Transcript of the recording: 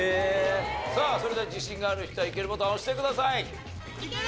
さあそれでは自信がある人はイケるボタンを押してください。